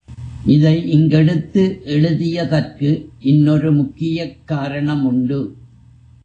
இதை இங்கெடுத்து எழுதியதற்கு இன்னொரு முக்கியக்காரணமுண்டு.